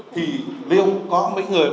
thì liệu có mấy người